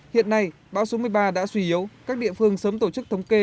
hiện nay bão số một mươi ba đã suy yếu các địa phương sớm tổ chức thống kê